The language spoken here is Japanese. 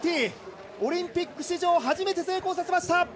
オリンピック史上初めて成功させました！